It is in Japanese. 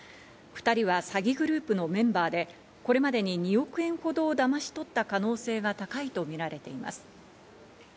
２人は詐欺グループのメンバーでこれまでに２億円ほどをだまし取った可能性が高いとみられています。